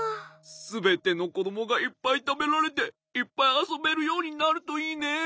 すべてのこどもがいっぱいたべられていっぱいあそべるようになるといいね。